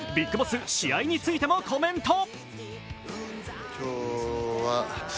ＢＩＧＢＯＳＳ、試合についてもコメント。